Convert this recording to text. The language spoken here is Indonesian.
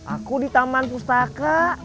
aku di taman pustaka